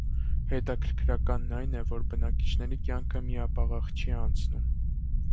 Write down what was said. Հետաքրքրականն այն է, որ բնակիչների կյանքը միապաղաղ չի անցնում։